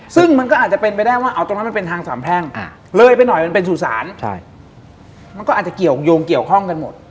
ซึ่งมันก็อาจจะเป็นไปได้ว่าเอาตรงนั้นมันเป็นทางสามแพร่งเลยไปหน่อยมันเป็นสู่ศาลมันก็อาจจะเกี่ยวยงเกี่ยวข้องกันหมด